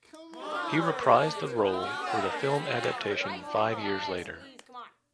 He reprised the role for the film adaptation five years later.